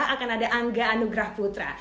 akan ada angga anugrah putra